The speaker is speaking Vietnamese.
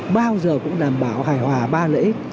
bao giờ cũng đảm bảo hài hòa ba lợi ích